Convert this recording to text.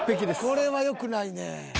これはよくないね。